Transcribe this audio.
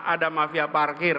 ada mafia parkir